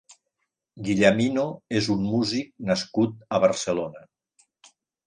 Guillamino és un músic nascut a Barcelona.